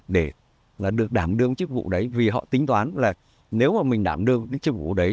để được đảm đương chức vụ đấy vì họ tính toán là nếu mà mình đảm đương những chức vụ đấy